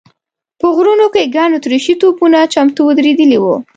په غرونو کې ګڼ اتریشي توپونه چمتو ودرېدلي و.